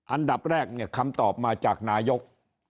อันดับแรกเนี่ยคำตอบมาจากนายก